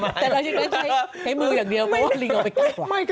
แต่เราจริงใช้มืออย่างเดียวเพราะว่าลิงเอาไปกลับว่ะ